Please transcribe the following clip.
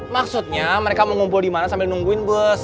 maksudnya mereka mau ngumpul dimana sambil nungguin bus